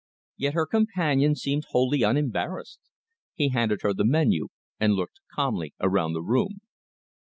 Yet her companion seemed wholly unembarrassed. He handed her the menu and looked calmly around the room.